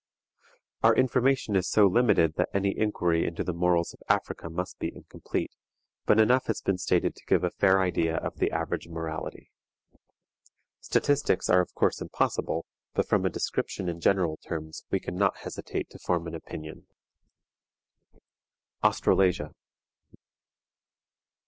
Our information is so limited that any inquiry into the morals of Africa must be incomplete, but enough has been stated to give a fair idea of the average morality. Statistics are of course impossible, but from a description in general terms we can not hesitate to form an opinion. AUSTRALASIA.